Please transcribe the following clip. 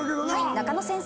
中野先生。